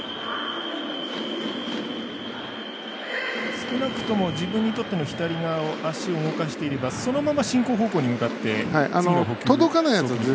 少なくとも自分にとっての左側の足を動かしていれば、そのまま進行方向に向かって次の捕球することができますね。